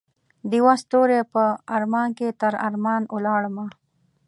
دیوه ستوری په ارمان کې تر ارمان ولاړمه